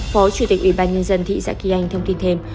phó chủ tịch ủy ban nhân dân tỉnh sạc kỳ anh thông tin thêm